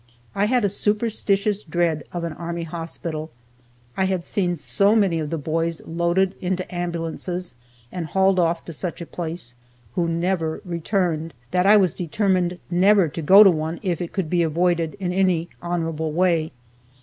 I had a superstitious dread of an army hospital. I had seen so many of the boys loaded into ambulances, and hauled off to such a place, who never returned, that I was determined never to go to one if it could be avoided in any honorable way.